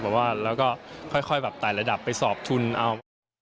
แบบว่าแล้วก็ค่อยแบบไต่ระดับไปสอบทุนเอา